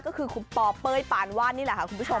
ก็คือคุณปอเป้ยปานวาดนี่แหละค่ะคุณผู้ชม